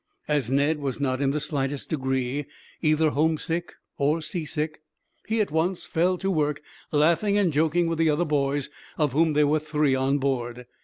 As Ned was not in the slightest degree either homesick or seasick, he at once fell to work, laughing and joking with the other boys, of whom there were three on board.